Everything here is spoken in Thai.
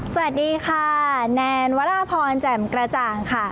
สวัสดีค่ะแนนวราพรแจ่มกระจ่างค่ะ